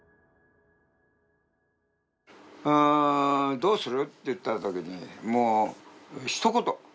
「どうする？」って言った時にもう一言